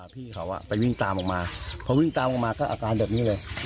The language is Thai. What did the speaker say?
พี่เขาไปวิ่งตามออกมาพอวิ่งตามออกมาก็อาการแบบนี้เลย